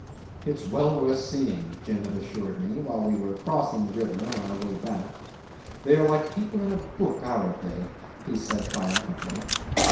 "It's well worth seeing," Jim had assured me while we were crossing the river, on our way back. "They are like people in a book, aren't they?" he said triumphantly.